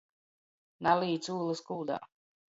Nalīc ūlys kuldā!